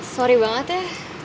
sorry banget ya